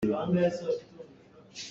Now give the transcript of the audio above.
A ṭah kha aa chir tuk caah a si.